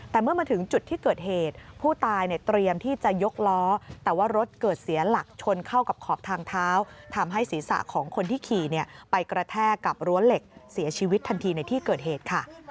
แต่เมื่อมาถึงจุดที่เกิดเหตุผู้ตายเนี่ยเตรียมที่จะยกล้อแต่ว่ารถเกิดเสียหลักชนเข้ากับขอบทางเท้าทำให้ศีรษะของคนที่ขี่ไปกระแทกกับรั้วเหล็กเสียชีวิตทันทีในที่เกิดเหตุค่ะ